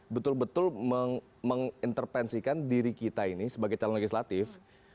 betul betul mengintervensikan diri kita ini sebagai calon legislatif